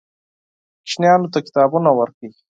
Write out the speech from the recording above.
ماشومانو ته کتابونه ورکړئ.